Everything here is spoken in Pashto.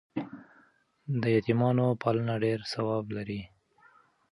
د یتیمانو پالنه ډېر ثواب لري.